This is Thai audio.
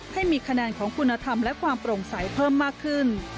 ให้มีคะแนนของคุณธรรมและความโปร่งใสเพิ่มมากขึ้น